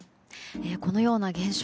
このような現象